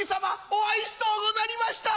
お会いしとうござりました。